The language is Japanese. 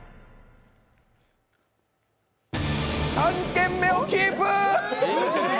３軒目をキープ。